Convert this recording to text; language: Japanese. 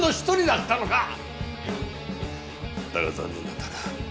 だが残念だったな。